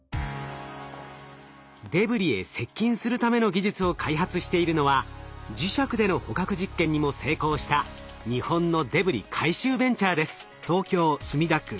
デブリへ接近するための技術を開発しているのは磁石での捕獲実験にも成功した日本のデブリ回収ベンチャーです。